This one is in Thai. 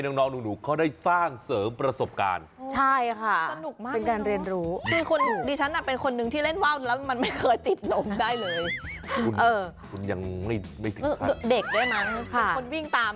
มันเป็นคนวิ่งตามถือให้วิ่งมาก่อน